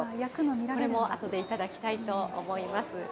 これもあとで頂きたいと思います。